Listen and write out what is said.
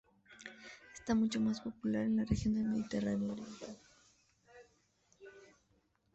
Ésta es mucho más popular en la región del Mediterráneo oriental.